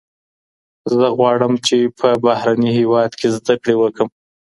زه غواړم چي په بهرني هېواد کي زده کړې وکړم.